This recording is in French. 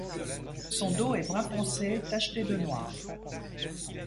Son dos est brun foncé tacheté de noir.